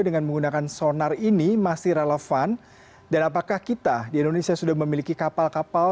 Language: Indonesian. dengan menggunakan sonar ini masih relevan dan apakah kita di indonesia sudah memiliki kapal kapal